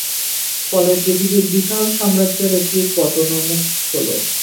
ফলে পৃথিবীর বিশাল সাম্রাজ্যের একটি পতনোন্মুখ হল।